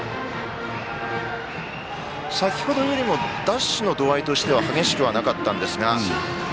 先程よりもダッシュの度合いとしては激しくはなかったんですが。